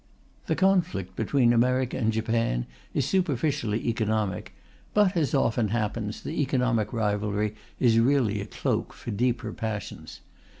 The conflict between America and Japan is superficially economic, but, as often happens, the economic rivalry is really a cloak for deeper passions.